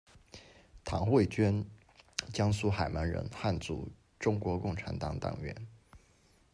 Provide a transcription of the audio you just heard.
唐慧娟，江苏海门人，汉族，中国共产党党员。